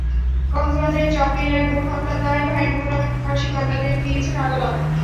কক্সবাজারের চকরিয়ায় বোন হত্যার দায়ে ভাই নুরুল আমিনকে ফাঁসির দণ্ডাদেশ দিয়েছেন আদালত।